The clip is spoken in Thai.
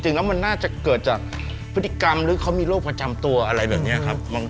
จริงแล้วมันน่าจะเกิดจากพฤติกรรมหรือเขามีโรคประจำตัวอะไรแบบนี้ครับ